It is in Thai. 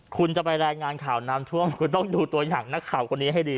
คุณจะไปรายงานข่าวน้ำท่วมคุณต้องดูตัวอย่างนักข่าวคนนี้ให้ดี